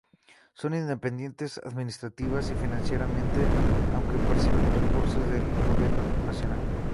Son independientes administrativa y financieramente, aunque perciben recursos del gobierno nacional.